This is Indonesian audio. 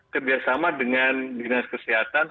kerjasama dengan dinas kesehatan